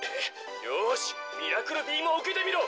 「よしミラクルビームをうけてみろ」。